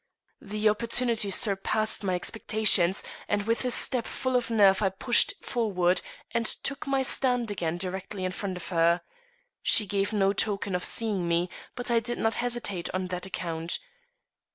The opportunity surpassed my expectations, and with a step full of nerve I pushed forward and took my stand again directly in front of her. She gave no token of seeing me; but I did not hesitate on that account.